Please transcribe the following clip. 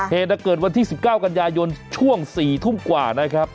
เหตุเกิดวันที่๑๙กันยายนช่วง๔ทุ่มกว่านะครับ